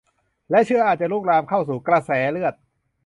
และเชื้ออาจจะลุกลามเข้าสู่กระแสเลือด